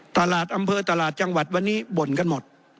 ตลาดอำเภอตลาดจังหวัดวันนี้บ่นกันหมด